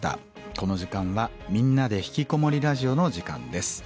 この時間は「みんなでひきこもりラジオ」の時間です。